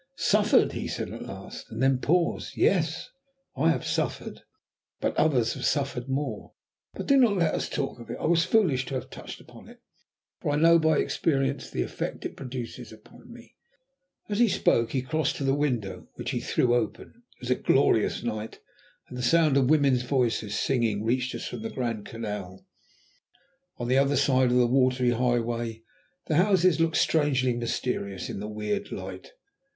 "Suffered?" he said at last, and then paused. "Yes, I have suffered but others have suffered more. But do not let us talk of it. I was foolish to have touched upon it, for I know by experience the effect it produces upon me." As he spoke he crossed to the window, which he threw open. It was a glorious night, and the sound of women's voices singing reached us from the Grand Canal. On the other side of the watery highway the houses looked strangely mysterious in the weird light.